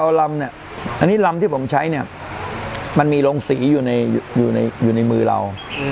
พอเล่นที่ผมใช้เนี่ยมันมีรงสีอยู่ในมือเรา